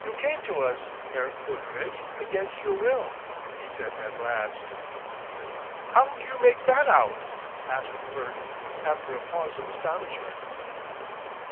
"You came to us, Herr Pooterage, against your will," he said at last. "'Ow d'you make that out?" asked Bert, after a pause of astonishment.